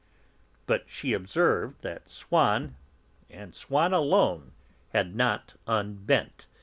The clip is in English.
But she observed that Swann, and Swann alone, had not unbent.